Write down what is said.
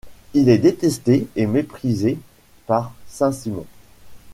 Il est détesté et méprisé par Saint-Simon.